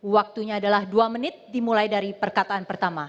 waktunya adalah dua menit dimulai dari perkataan pertama